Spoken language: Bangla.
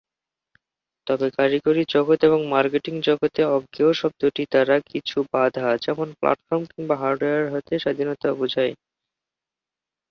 তবে কারিগরি জগৎ এবং মার্কেটিং জগতে "অজ্ঞেয়" শব্দটি দ্বারা কিছু বাঁধা; যেমনঃ প্ল্যাটফর্ম কিংবা হার্ডওয়্যার হতে স্বাধীনতা বুঝায়।